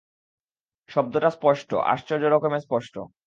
শব্দটা স্পষ্ট, আশ্চর্য রকমে স্পষ্ট।